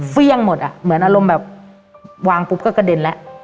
เฟี่ยงหมดอ่ะเหมือนอารมณ์แบบวางปุ๊บก็กระเด็นแล้ว